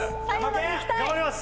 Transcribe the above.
頑張ります。